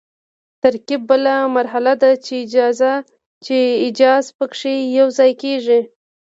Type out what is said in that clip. ترکیب بله مرحله ده چې اجزا پکې یوځای کیږي.